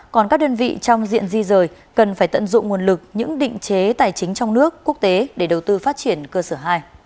còn các đơn vị trong diện di rời cần phải tận dụng nguồn lực những định chế tài chính trong nước quốc tế để đầu tư phát triển cơ sở hai